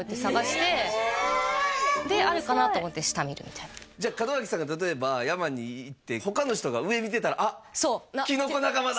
であるかなと思って下見るみたいなじゃあ門脇さんが例えば山に行って他の人が上見てたら「あっ！きのこ仲間だ」